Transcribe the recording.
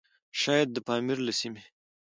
شايد د پامير له سيمې؛